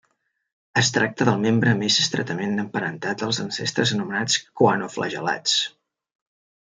Es tracta del membre més estretament emparentat als ancestres anomenats coanoflagel·lats.